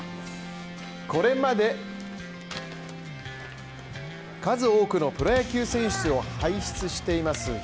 これまで数多くのプロ野球選手を輩出しています